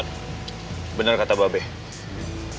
mulai sekarang kita harus bener bener hati hati